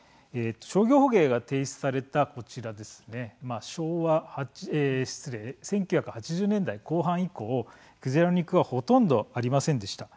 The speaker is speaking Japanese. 商業捕鯨が停止された１９８０年代後半以降クジラの肉はほとんどありませんでした。